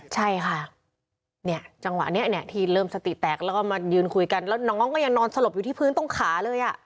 ใช่ค่ะเนี่ยจังหวะนี้เนี่ยที่เริ่มสติแตกแล้วก็มายืนคุยกันแล้วน้องก็ยังนอนสลบอยู่ที่พื้นตรงขาเลยอ่ะ